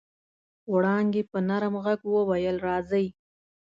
وړانګې په نرم غږ وويل راځئ.